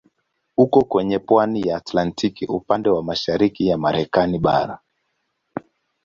Uko kwenye pwani ya Atlantiki upande wa mashariki ya Marekani bara.